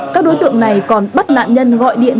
các đối tượng này còn bắt nạn nhân gọi điện